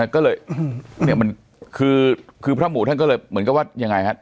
ก็เลยคือพระหมู่ท่านก็เลยเหมือนกับว่ายังไงฮะ